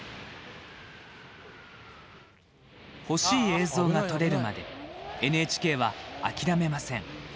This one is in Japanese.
欲しい映像が撮れるまでＮＨＫは、諦めません。